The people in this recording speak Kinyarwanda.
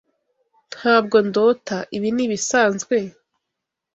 Ntabwo ndota. Ibi ni ibisanzwe?